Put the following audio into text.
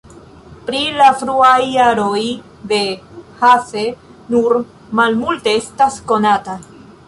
Pri la fruaj jaroj de Hasse nur malmulte estas konata.